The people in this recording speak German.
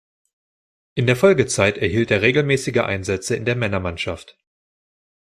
In der Folgezeit erhielt er regelmäßige Einsätze in der Männermannschaft.